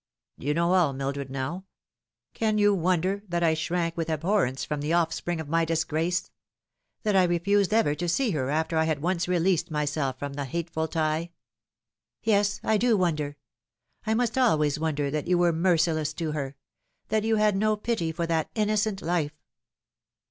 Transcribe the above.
You know all, Mildred, now. Can you wonder that I shrank with abhorrence from the offspring of my disgrace that I refused ever to see her after I had once released myself from the hateful tie ?"" Yes, I do wonder ; I must always wonder that you were merciless to her that you had no pity for that innoceut life."